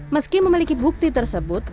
meski memiliki bukti tersebut